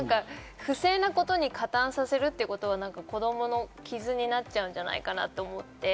不正なことに加担させるっていうことは、子供の傷になっちゃうんじゃないかなと思って。